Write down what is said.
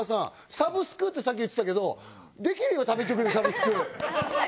サブスクってさっき言ってたけどできるよ食べチョクでサブスク。